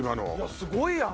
すごいやんか！